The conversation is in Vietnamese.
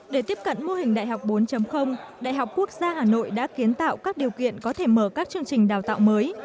để tiếp cận mô hình đại học bốn đại học quốc gia hà nội đã kiến tạo các điều kiện có thể mở các chương trình đào tạo mới